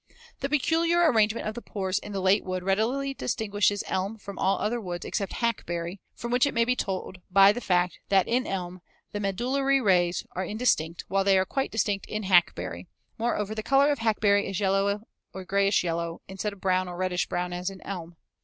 The peculiar arrangement of the pores in the late wood readily distinguishes elm from all other woods except hackberry, from which it may be told by the fact that in elm the medullary rays are indistinct, while they are quite distinct in hackberry; moreover, the color of hackberry is yellow or grayish yellow instead of brown or reddish brown as in elm.